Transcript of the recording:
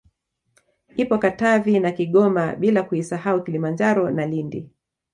Ipo Katavi na Kigoma bila kuisahau Kilimanjaro na Lindi